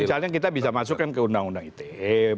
ya misalnya kita bisa masukkan ke undang undang itb